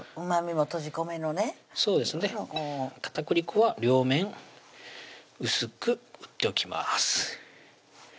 片栗粉は両面薄く打っておきます